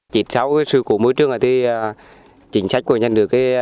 chỉ sau sự cố môi trường này thì chính sách của nhân được